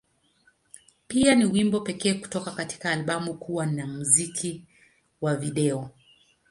Pia, ni wimbo pekee kutoka katika albamu kuwa na muziki wa video.